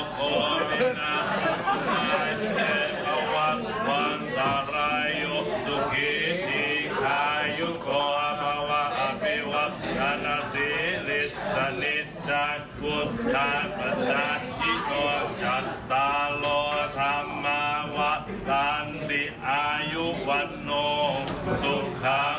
ภรรยุสุขีธิคายุกวะบะวะอภิวัพย์ขณะศรีฤทธิ์สนิทจากพุทธภัณฑ์จันทร์อิโกชัตตาโลธัมมาวะอันติอายุวันนงสุขังภักดิ์หลัง